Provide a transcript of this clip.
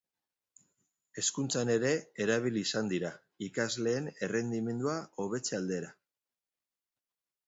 Hezkuntzan ere erabili izan dira, ikasleen errendimendua hobetze aldera.